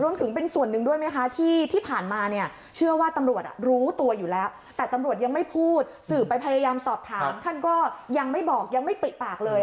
รวมถึงเป็นส่วนหนึ่งด้วยไหมคะที่ผ่านมาเนี่ยเชื่อว่าตำรวจรู้ตัวอยู่แล้วแต่ตำรวจยังไม่พูดสื่อไปพยายามสอบถามท่านก็ยังไม่บอกยังไม่ปริปากเลย